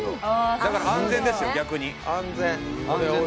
だから安全ですよ、逆に。